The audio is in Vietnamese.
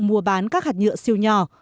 mua bán các hạt nhựa siêu nhỏ